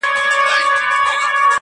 چي فلک به کوږ ورګوري دښمن زما دی!.